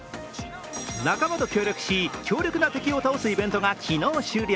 仲間と協力し、強力な敵を倒すイベントが昨日終了。